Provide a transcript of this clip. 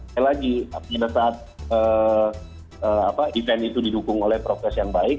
sekali lagi pada saat event itu didukung oleh prokes yang baik